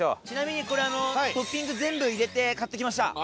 ちなみにこれトッピング全部入れて買ってきました。